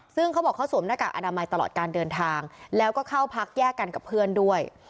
ซึ่งเขาบอกเขาสวมหน้ากากอนามัยตลอดการเดินทางแล้วก็เข้าพักแยกกันกับเพื่อนด้วย